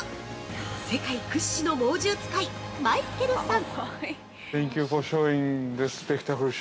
世界屈指の猛獣使いマイケルさん！